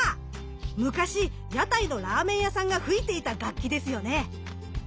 昔屋台のラーメン屋さんが吹いていた楽器ですよね！